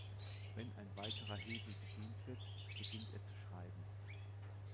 Wenn ein weiterer Hebel bedient wird, beginnt er zu schreiben.